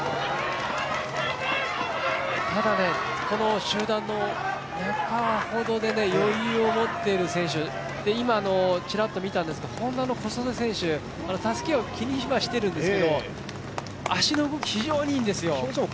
ただ、この集団の中ほどで余裕を持っている選手今ちらっと見たんですが、Ｈｏｎｄａの小袖選手、たすきを気にはしてるんですけど、足の動き非常にいいんですよ。